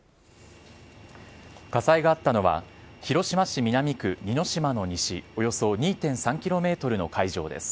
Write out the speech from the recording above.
火災があったのは、広島市南区似島の西およそ２．３キロメートルの海上です。